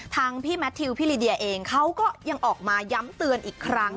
พี่แมททิวพี่ลีเดียเองเขาก็ยังออกมาย้ำเตือนอีกครั้ง